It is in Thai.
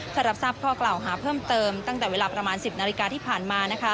ถ้ารับทราบข้อกล่าวหาเพิ่มเติมตั้งแต่เวลาประมาณ๑๐นาฬิกาที่ผ่านมา